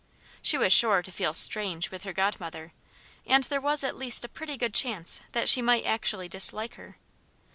She was sure to feel "strange" with her godmother, and there was at least a pretty good chance that she might actually dislike her.